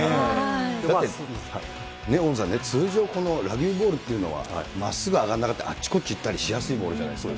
だって大野さんね、通常、ラグビーボールっていうのはまっすぐ上がらなくて、あっちこっち行ったりしやすいボールじゃないですか。